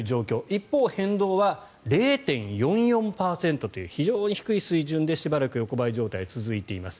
一方、変動は０．４４％という非常に低い水準でしばらく横ばい状態が続いています。